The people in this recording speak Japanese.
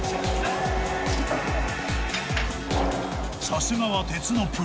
［さすがは鉄のプロ］